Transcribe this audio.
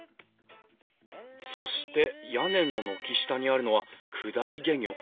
そして屋根の軒下にあるのは降り懸魚。